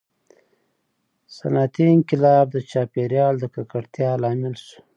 • صنعتي انقلاب د چاپېریال د ککړتیا لامل شو.